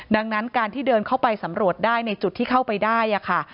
ดังนั้นการที่เดินเข้าไปสำรวจได้ในจุดที่เข้าไปได้ค่ะ